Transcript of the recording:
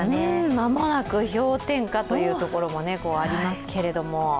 間もなく氷点下というところもありますけれども。